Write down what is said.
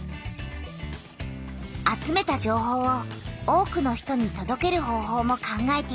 集めた情報を多くの人にとどける方ほうも考えている。